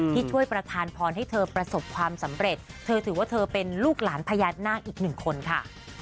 ช่วยประธานพรให้เธอประสบความสำเร็จเธอถือว่าเธอเป็นลูกหลานพญานาคอีกหนึ่งคนค่ะ